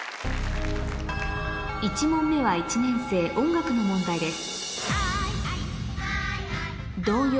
１問目は１年生音楽の問題です